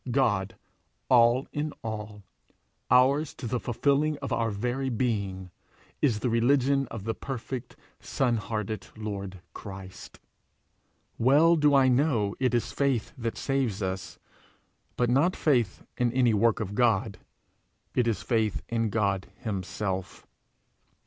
God, all and in all, ours to the fulfilling of our very being, is the religion of the perfect, son hearted Lord Christ. Well do I know it is faith that saves us but not faith in any work of God it is faith in God himself.